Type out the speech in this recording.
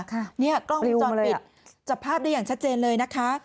กล้องจอดปิดจับภาพได้อย่างชัดเจนเลยนะคะ